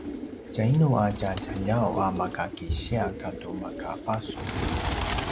tjainu a tja djaljaw a maka kisiya katu maka basu?